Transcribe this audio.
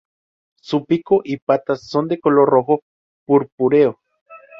Su pico y patas son de color rojo purpúreo.